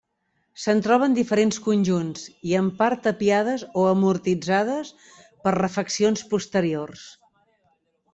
Se'n troben diferents conjunts i en part tapiades o amortitzades per refaccions posteriors.